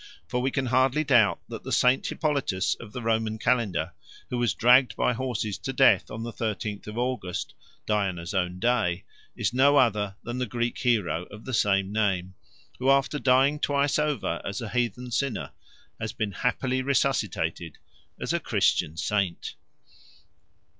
For we can hardly doubt that the Saint Hippolytus of the Roman calendar, who was dragged by horses to death on the thirteenth of August, Diana's own day, is no other than the Greek hero of the same name, who, after dying twice over as a heathen sinner, has been happily resuscitated as a Christian saint.